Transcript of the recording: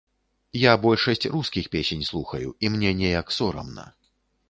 Я большасць рускіх песень слухаю, і мне неяк сорамна.